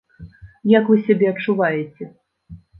Як вы сябе адчуваеце?